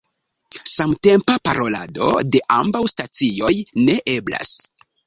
Samtempa parolado de ambaŭ stacioj ne eblas.